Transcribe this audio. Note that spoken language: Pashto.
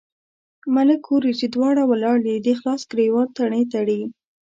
ملک ګوري چې دواړه ولاړ دي، د خلاص ګرېوان تڼۍ تړي.